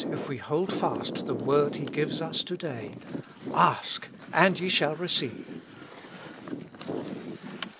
if we hold fast the word He gives to day: " Ask, and ye shall receive."